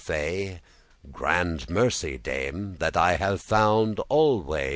*always "Grand mercy, Dame; that have I found alway.